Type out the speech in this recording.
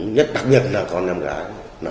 nhất đặc biệt là con em gái